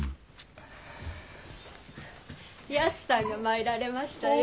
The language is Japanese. やすさんが参られましたよ。